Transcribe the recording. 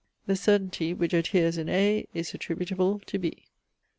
The certainty, which adheres in A, is attributable to B.